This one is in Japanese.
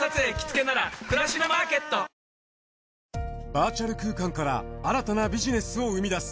バーチャル空間から新たなビジネスを生み出す。